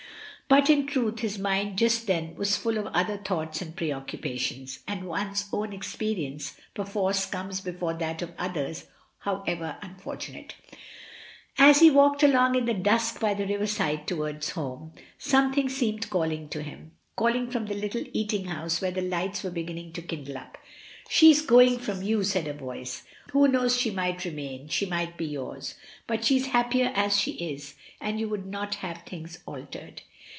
But, in truth, his mind just then was full of other thoughts and preoccupations, and one's own experience perforce comes before that of others however unfortunate. As he walked along in the dusk by the river side towards home, something seemed calling to him — calling from the little eating house where the lights were beginning to kindle up. "She is going from you," said a voice. "Who knows she might remain, she might be yours; but she is happier as she is, and you would not have things altered."